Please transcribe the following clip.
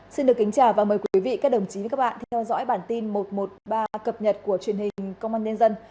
xin được kính chào và mời quý vị các đồng chí với các bạn theo dõi bản tin một trăm một mươi ba cập nhật của truyền hình công an nhân dân